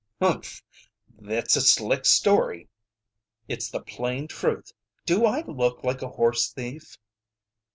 "Hurmph! Thet's a slick story!" "It's the plain truth. Do I look like a horse thief?"